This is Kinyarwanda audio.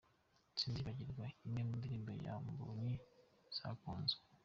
Sinzibagirwa, imwe mu ndirimbo za Mbonyi zakunzwe.